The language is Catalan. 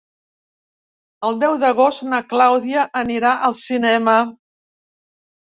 El deu d'agost na Clàudia anirà al cinema.